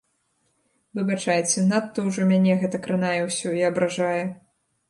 Выбачайце, надта ўжо мяне гэта кранае ўсё і абражае.